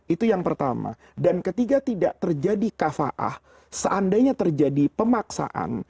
itu yang pertama dan ketiga tidak terjadi kafaah seandainya terjadi pemaksaan